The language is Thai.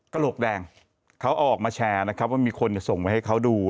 กระโหลกแดงเขาออกมาแชร์นะครับว่ามีคนส่งไว้ให้เขาดู